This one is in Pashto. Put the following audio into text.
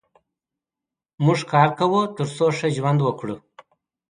موږ کار کوو تر څو ښه ژوند وکړو.